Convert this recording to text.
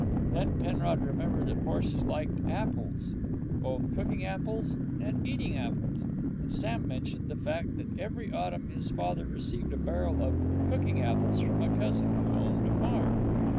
Then Penrod remembered that horses like apples, both "cooking apples" and "eating apples," and Sam mentioned the fact that every autumn his father received a barrel of "cooking apples" from a cousin who owned a farm.